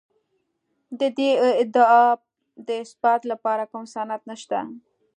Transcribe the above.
د دې ادعا د اثبات لپاره کوم سند نشته